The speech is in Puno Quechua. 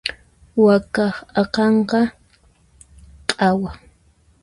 Wakaq akanqa q'awa.